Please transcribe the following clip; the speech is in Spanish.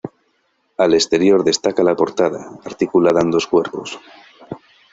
Al exterior destaca la portada, articulada en dos cuerpos.